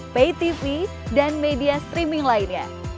pay tv dan media streaming lainnya